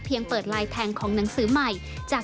เปิดลายแทงของหนังสือใหม่